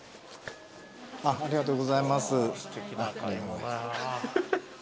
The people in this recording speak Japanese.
ありがとうございます。